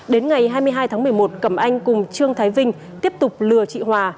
đến ngày hai mươi hai tháng một mươi một cẩm anh cùng trương thái vinh tiếp tục lừa chị hòa